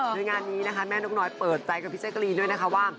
ด้วยงานีแม่นกน้อยเปิดใจกับพี่ชายการีด้วยนะคะ